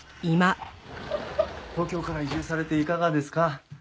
東京から移住されていかがですか？